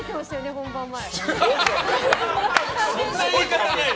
本番前。